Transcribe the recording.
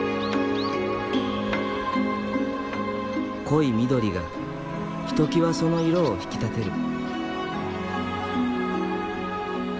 濃い緑がひときわその色を引き立てる。